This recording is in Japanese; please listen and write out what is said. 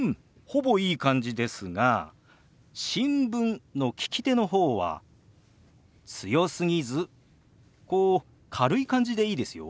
ほぼいい感じですが「新聞」の利き手の方は強すぎずこう軽い感じでいいですよ。